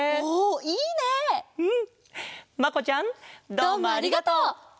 どうもありがとう！